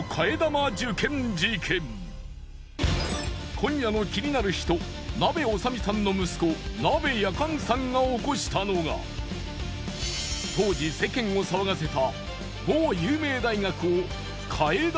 今夜の気になる人なべおさみさんの息子なべやかんさんが起こしたのが当時世間を騒がせた。